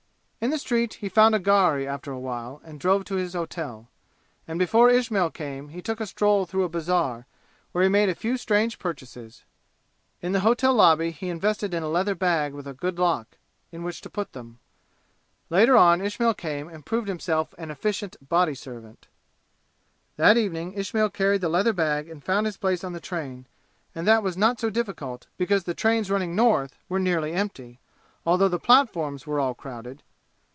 In the street he found a gharry after a while and drove to his hotel. And before Ismail came he took a stroll through a bazaar, where he made a few strange purchases. In the hotel lobby he invested in a leather bag with a good lock, in which to put them. Later on Ismail came and proved himself an efficient body servant. That evening Ismail carried the leather bag and found his place on the train, and that was not so difficult, because the trains running North were nearly empty, although the platforms were all crowded.